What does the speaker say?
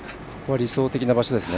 理想的な場所ですね。